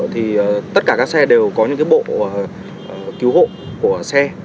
thì tất cả các xe đều có những cái bộ cứu hộ của xe